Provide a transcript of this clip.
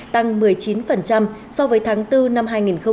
tăng một mươi chín so với tháng bốn năm hai nghìn một mươi chín